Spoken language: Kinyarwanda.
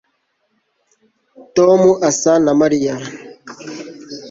Tom asa na Mariya